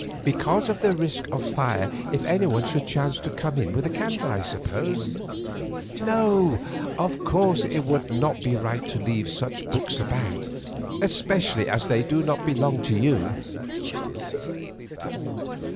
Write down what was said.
Because of the risk of fire if anyone should chance to come in with a candle, I suppose. No, of course it would not be right to leave such books about; especially as they do not belong to you."